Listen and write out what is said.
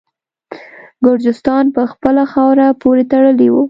ګرجستان په خپله خاوره پوري تړلی وو.